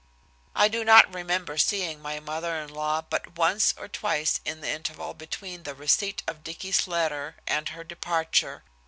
I do not remember seeing my mother in law but once or twice in the interval between the receipt of Dicky's letter and her departure.